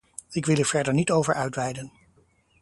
Ik wil hier verder niet over uitweiden.